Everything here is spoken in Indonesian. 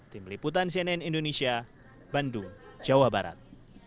tim liputan cnn indonesia bandung jawa barat